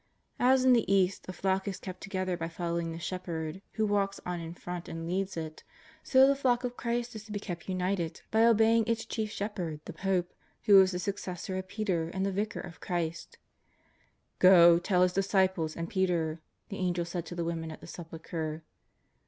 As in the East a flock is kept together by following the shepherd, who walks on in front and leads it, so the flock of Christ is to be kept united by obeying its chief Shepherd the PopO; who is the succesor of Peter and the Vicar of Christ. '^ Go, tell His disciples and Peter," the Angel said to the women at the Sepulchre.